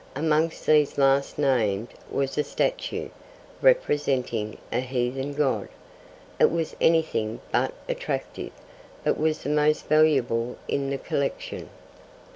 Amongst these last named was a statue, representing a heathen god. It was anything but attractive, but was the most valuable in the collection.